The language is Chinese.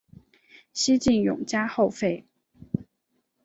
西晋永嘉后废。